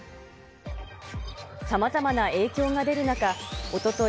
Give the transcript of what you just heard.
さまざまな影響が出る中、おととい、